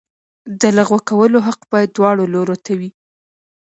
د لغوه کولو حق باید دواړو لورو ته وي.